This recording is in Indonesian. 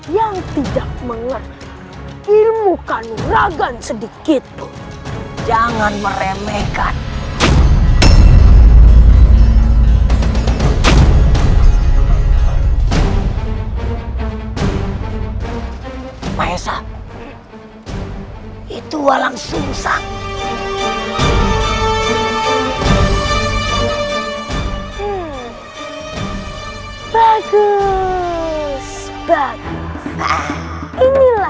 kau tidak ada waktu untuk meladenimu bocah kecil